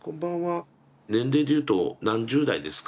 年齢でいうと何十代ですか？